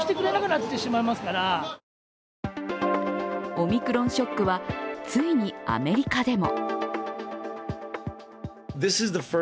オミクロンショックはついにアメリカでも。